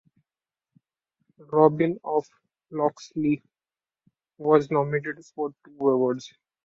"Robin of Locksley" was nominated for two awards.